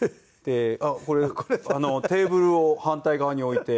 あっこれテーブルを反対側に置いて。